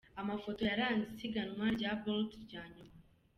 Amafoto yaranze isiganwa rya Bolt rya nyuma:.